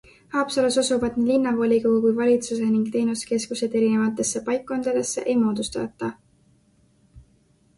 Haapsalus asuvad nii linnavolikogu kui -valitsuse ning teenuskeskuseid erinevatesse paikkondadesse ei moodustata.